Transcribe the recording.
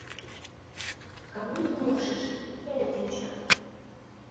Каврий тудым ок шиж: эре кӱнча.